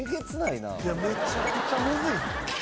いやめちゃくちゃむずい。